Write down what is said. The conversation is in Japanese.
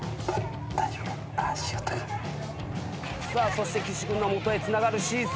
そして岸君の元へつながるシーサー。